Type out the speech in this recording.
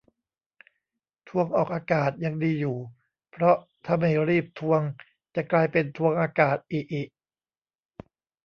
ทวงออกอากาศ ยังดีอยู่ เพราะถ้าไม่รีบทวง จะกลายเป็น ทวงอากาศ อิอิ